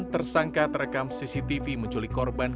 tersangka terekam cctv menculik korban